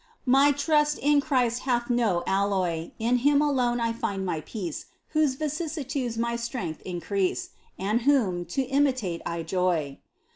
My trust in Christ hath no alloy ; In Him alone I find my peace Whose lassitudes my strength increase. And Whom to imitate I joy